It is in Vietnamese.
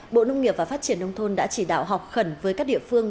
bộ nông nghiệp và phát triển nông thôn đã chỉ đạo họp khẩn với các địa phương